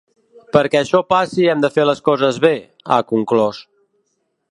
Perquè això passi hem de fer les coses bé, ha conclòs.